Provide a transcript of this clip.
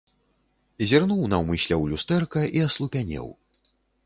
Зірнуў наўмысля ў люстэрка і аслупянеў.